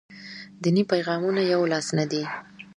دیني پیغامونه یولاس نه دي.